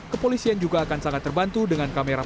kepolisian juga akan sangat terbantu dengan kamera